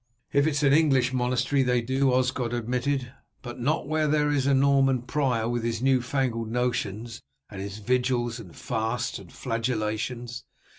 "If it is an English monastery they do," Osgod admitted, "but not where there is a Norman prior, with his new fangled notions, and his vigils and fasts and flagellations.